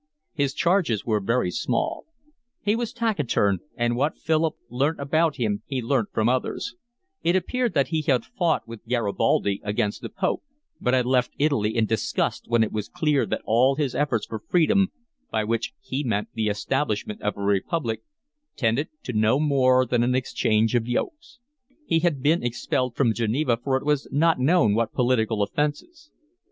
His charges were very small. He was taciturn, and what Philip learnt about him he learnt from others: it appeared that he had fought with Garibaldi against the Pope, but had left Italy in disgust when it was clear that all his efforts for freedom, by which he meant the establishment of a republic, tended to no more than an exchange of yokes; he had been expelled from Geneva for it was not known what political offences.